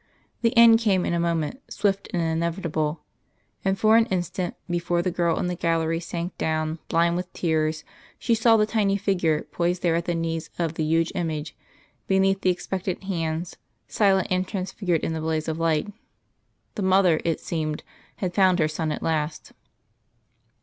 The end came in a moment, swift and inevitable. And for an instant, before the girl in the gallery sank down, blind with tears, she saw the tiny figure poised there at the knees of the huge image, beneath the expectant hands, silent and transfigured in the blaze of light. The Mother, it seemed, had found her Son at last.